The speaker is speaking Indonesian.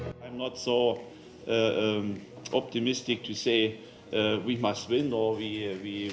saya tidak begitu optimis untuk mengatakan kita harus menang atau kita harus menang